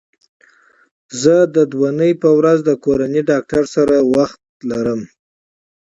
زه د دونۍ په ورځ د کورني ډاکټر سره وخت لرم